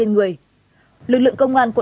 nhưng với những chứng cứ